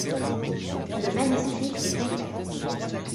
Le manuscrit est complet.